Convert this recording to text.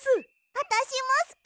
あたしもすき！